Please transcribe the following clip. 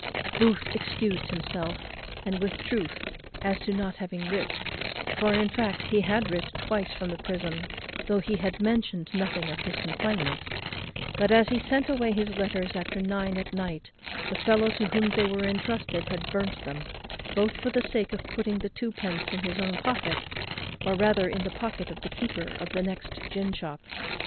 Booth excused himself, and with truth, as to his not having writ; for, in fact, he had writ twice from the prison, though he had mentioned nothing of his confinement; but, as he sent away his letters after nine at night, the fellow to whom they were entrusted had burnt them both for the sake of putting the twopence in his own pocket, or rather in the pocket of the keeper of the next gin shop.